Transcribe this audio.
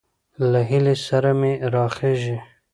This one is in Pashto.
له هيلې سره سمې راخېژي،